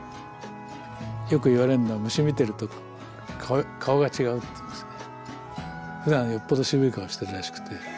よく言われるのは虫見てると顔が違うっていうんですね。